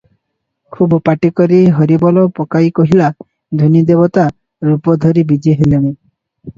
ଖୁବ୍ ପାଟି କରି ହରିବୋଲ ପକାଇ କହିଲା, ଧୂନି ଦେବତା ରୂପ ଧରି ବିଜେ ହେଲେଣି ।